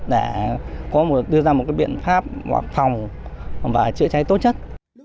để đưa ra một biện pháp hoạt phòng và chữa cháy tốt chất